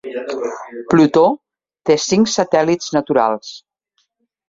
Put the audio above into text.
Plutó té cinc satèl·lits naturals.